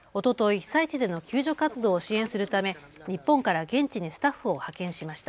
被災地での救助活動を支援するため日本から現地にスタッフを派遣しました。